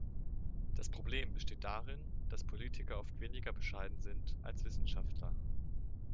Das Problem besteht darin, dass Politiker oft weniger bescheiden sind, als Wissenschaftler.